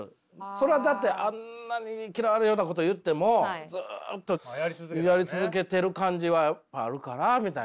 それはだってあんなに嫌われるようなこと言ってもずっとやり続けてる感じはあるかなみたいな。